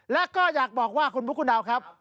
และก็อยากบอกว่าคุณบุ๊คคุณดาวครับ